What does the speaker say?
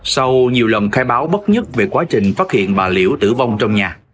sau nhiều lần khai báo bốc nhất về quá trình phát hiện bà liễu tử vong trong nhà